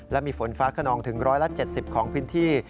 และมีฝนฟ้าขนองถึง๑๗๐ของพื้นที่